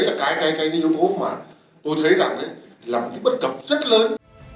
thì đấy là cái yếu tố mà tôi thấy là một cái bất cập rất lớn